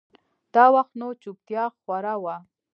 دا وخت نو چوپتيا خوره وه.